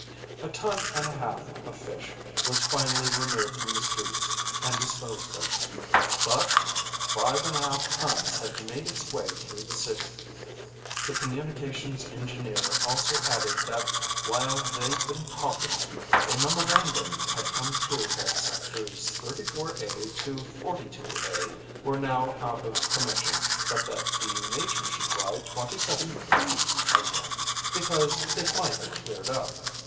A ton and a half of fish was finally removed from the streets and disposed of. But five and a half tons had made its way through the city. The Communications Engineer also added that while they'd been talking, a memorandum had come through that Sectors 34A to 42A were now out of commission, but that the major should try 27B again, because it might have cleared up.